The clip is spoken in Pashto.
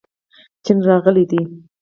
چین راغلی دی.